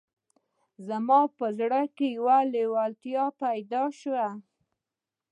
زما په زړه کې یوه لېوالتیا پیدا شوه